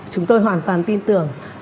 chúng tôi hoàn toàn tin tưởng